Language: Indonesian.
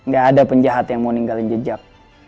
gak ada penjahat yang mau ninggalin jejak